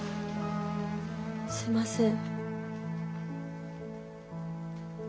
すいません。